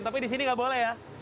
tapi di sini nggak boleh ya